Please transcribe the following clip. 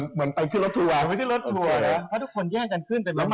เหมือนเป็นพื้นรถถั่ว